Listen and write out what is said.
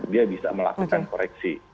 dia bisa melakukan koreksi